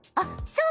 そう！